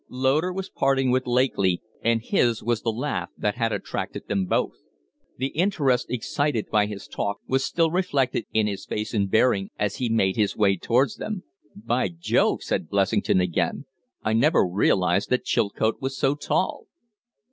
Loder was parting with Lakely, and his was the laugh that had attracted them both. The interest excited by his talk was still reflected in his face and bearing as he made his way towards them. "By Jove!" said Blessington again. "I never realized that Chilcote was so tall."